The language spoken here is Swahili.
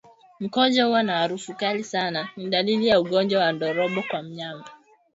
Mkojo kuwa na harufu kali sana ni dalili ya ugonjwa wa ndorobo kwa mnyama